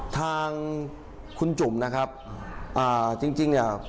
ทางคุณจุ่มนะครับอ่าจริงเนี่ย